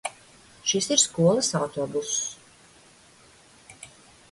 Šis ir skolas autobuss.